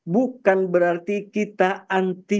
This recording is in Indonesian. bukan berarti kita tidak bisa mengembalikan